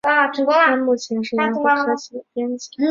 他目前是雅虎科技的编辑。